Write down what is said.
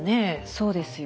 そうですよね。